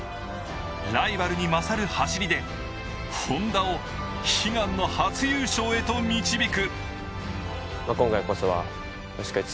ライバルに勝る走りでＨｏｎｄａを悲願の初優勝へと導く。